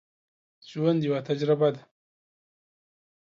ژوند یوه تجربه ده